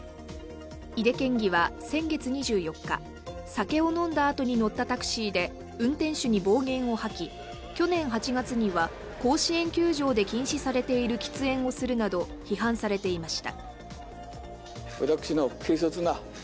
井手県議は先月２４日、酒を飲んだあとに乗ったタクシーで運転手に暴言を吐き、去年８月には甲子園球場で禁止されている喫煙をするなど批判されていました。